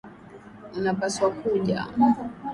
Unapaswa kuja.